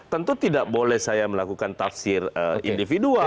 tentu tidak boleh saya melakukan tafsir individual